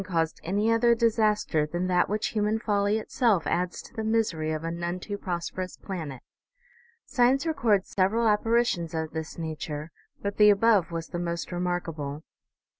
caused any other disaster than that which human folly itself adds to the misery of a none too prosperous planet. Science records several apparitions of this nature, but the above was the most remarkable.